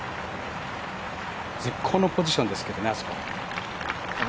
絶好のポジションですけどね、あそこ。